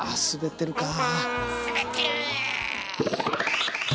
滑ってる。